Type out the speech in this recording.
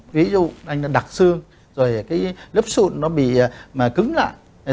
ví dụ anh đặt xương rồi cái lớp sụn nó bị cứng lại